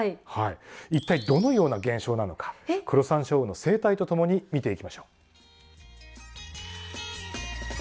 一体どのような現象なのかクロサンショウウオの生態とともに見ていきましょう。